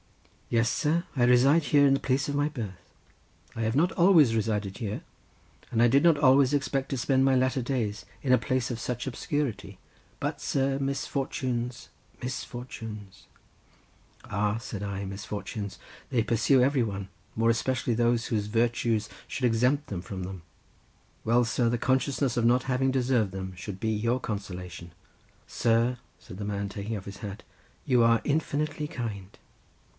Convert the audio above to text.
"Yes, sir, I reside here in the place of my birth—I have not always resided here—and I did not always expect to spend my latter days in a place of such obscurity, but, sir, misfortunes—misfortunes ..." "Ah," said I, "misfortunes! they pursue every one, more especially those whose virtues should exempt them from them. Well, sir, the consciousness of not having deserved them should be your consolation." "Sir," said the doctor, taking off his hat, "you are infinitely kind."